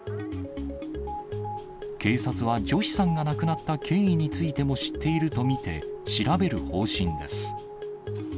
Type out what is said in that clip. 警察はジョシさんが亡くなった経緯についても知っていると見て、調べる方針です。